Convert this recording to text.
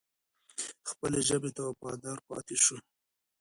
خپلې ژبې ته وفادار پاتې شو.